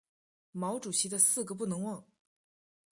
毛主席的四个不能忘！